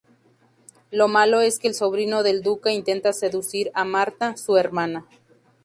Lo malo es que el sobrino del duque intenta seducir a Marta, su hermana.